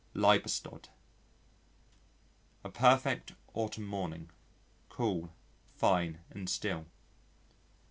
Liebestod A perfect autumn morning cool, fine and still.